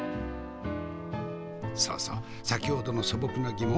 そうそう先ほどの素朴な疑問。